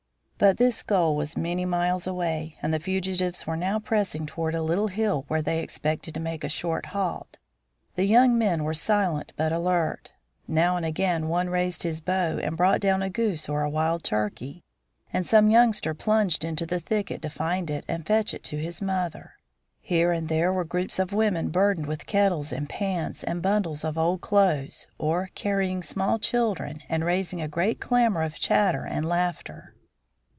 But this goal was still many miles away, and the fugitives were now pressing toward a little hill, where they expected to make a short halt. The young men were silent but alert. Now and again one raised his bow and brought down a goose or a wild turkey, and some youngster plunged into the thicket to find it and fetch it to his mother. Here and there were groups of women burdened with kettles and pans and bundles of old clothes, or carrying small children and raising a great clamor of chatter and laughter.